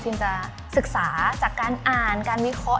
จะศึกษาจากการอ่านการวิเคราะห